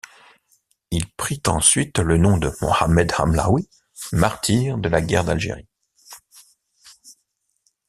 Il prit ensuite le nom de Mohamed Hamlaoui, martyre de la guerre d’Algérie.